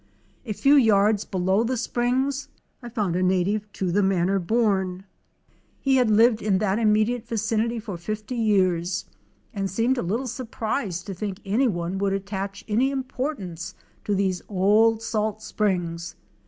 A few yards below the springs I found a native to the manor born. He had lived in that immediate vicinity for 50 years, and seemed a little surprised to think any one would attach any importance to these old salt springs.